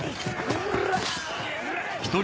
うわ！